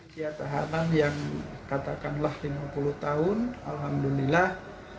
dia tahanan yang katakanlah lima puluh tahun alhamdulillah